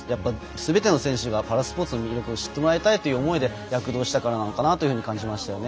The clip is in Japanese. すべての選手がパラスポーツの魅力を知ってもらいたいという思いで躍動したのかなと感じましたよね。